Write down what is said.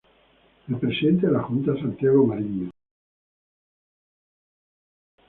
El presidente de la Junta: Santiago Mariño.